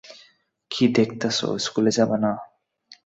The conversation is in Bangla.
কি দেখতাছো, স্কুলে যাবা না?